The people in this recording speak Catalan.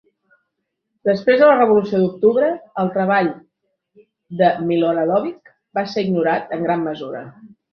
Després de la Revolució d'Octubre, el treball de Miloradovich va ser ignorat en gran mesura.